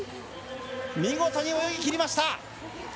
見事に泳ぎきりました！